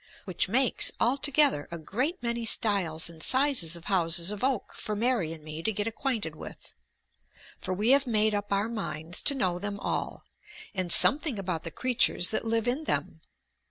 Which makes altogether a great many styles and sizes of houses of oak for Mary and me to get acquainted with. For we have made up our minds to know them all, and something about the creatures that live in them.